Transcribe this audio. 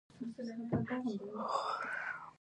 د اورګاډي حرکت باید د مهال ویش سره سم وي.